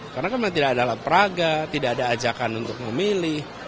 karena kan tidak ada peraga tidak ada ajakan untuk memilih